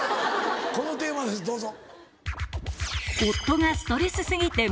このテーマですどうぞ。